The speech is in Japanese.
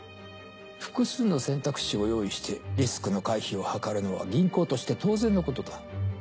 複数の選択肢を用意してリスクの回避を図るのは銀行として当然のことだ。